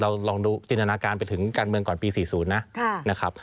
ลองดูจินตนาการไปถึงการเมืองก่อนปี๔๐นะครับ